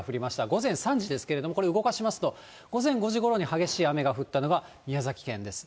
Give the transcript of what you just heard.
午前３時ですけれども、これ動かしますと、午前５時ごろに激しい雨が降ったのが、宮崎県です。